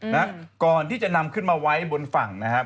นะก่อนที่จะนำขึ้นมาไว้บนฝั่งนะครับ